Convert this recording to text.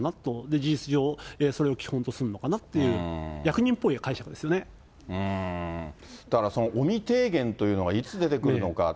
事実上、それを基本とするのかなっていう、だからその尾身提言というのがいつ出てくるのか。